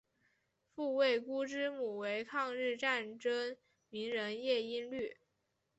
傅慰孤之母为抗日战争名人叶因绿。